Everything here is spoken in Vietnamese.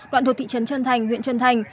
đoạn thuộc thị trấn trân thành huyện trân thành